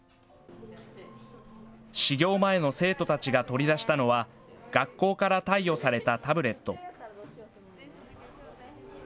始業前の生徒たちが取り出したのは、学校から貸与されたタブレット。